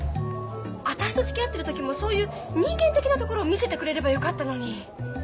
私とつきあってる時もそういう人間的なところ見せてくれればよかったのに。